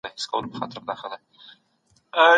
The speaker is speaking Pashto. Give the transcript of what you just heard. حکومت به د پانګي تولید ته خنډ نه جوړوي.